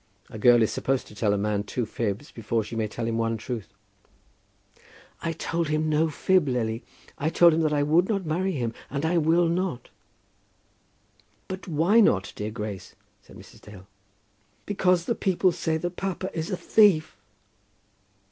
A girl is supposed to tell a man two fibs before she may tell him one truth." "I told him no fib, Lily. I told him that I would not marry him, and I will not." "But why not, dear Grace?" said Mrs. Dale. "Because the people say that papa is a thief!"